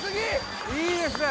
いいですね